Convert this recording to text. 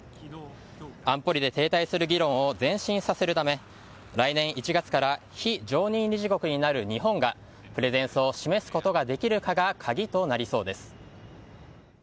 安保理で停滞する議論を前進させるため来年１月から非常任理事国になる日本がプレゼンスを示すことができるかが鍵となりそうです。